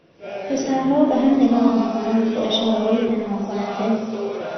پسرها به هم نگاه میکنند با اشارههای پنهان کننده